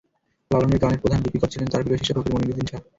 লালনের গানের প্রধান লিপিকর ছিলেন তাঁর প্রিয় শিষ্য ফকির মনিরুদ্দীন শাহ।